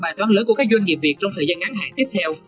bài toán lớn của các doanh nghiệp việt trong thời gian ngắn hạn tiếp theo